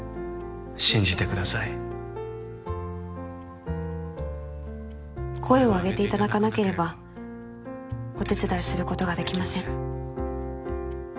「信じてください」「声を上げていただかなければお手伝いすることができません」